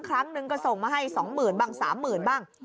ครั้งนึงก็ส่งมาให้สั้นหมื่นสามหมื่นบ้าง